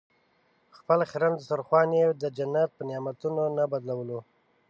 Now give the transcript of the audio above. خپل خیرن دسترخوان یې د جنت په نعمتونو نه بدلولو.